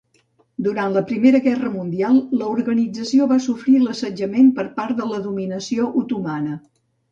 Durant la Primera Guerra Mundial l'organització va sofrir l'assetjament per part de la dominació otomana.